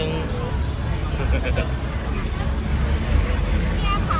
สวัสดีค่ะ